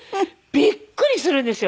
びっくりするんですよ。